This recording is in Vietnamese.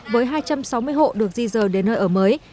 với hai trăm sáu mươi hộ được di rời đến nơi ở mới